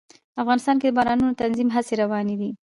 افغانستان کې د بارانونو د تنظیم هڅې روانې دي.